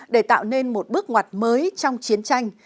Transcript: để tạo nên một bước ngoặt mới trong chiến tranh